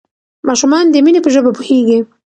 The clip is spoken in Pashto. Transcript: ماشومان د مینې په ژبه پوهیږي.